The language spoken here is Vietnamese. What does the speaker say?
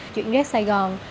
chuyển rác saigon